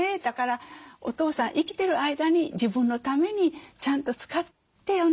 だからお父さん生きてる間に自分のためにちゃんと使ってよね」と。